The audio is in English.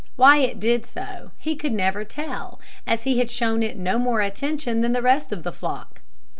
Why it did so he could never tell, as he had shown it no more attention than the rest of the flock.